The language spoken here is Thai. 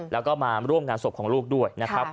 แล้วก็มาร่วมงานศพของลูกด้วย